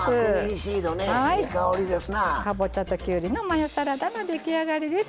かぼちゃときゅうりのマヨサラダの出来上がりです。